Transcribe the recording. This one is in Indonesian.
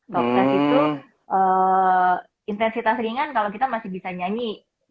dokter itu intensitas ringan kalau kita masih bisa nyanyi